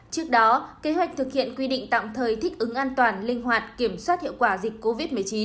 trước đó kế hoạch thực hiện quy định tạm thời thích ứng an toàn linh hoạt kiểm soát hiệu quả dịch covid một mươi chín